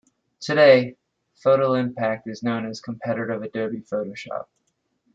Today, PhotoImpact is known as a competitor of Adobe Photoshop.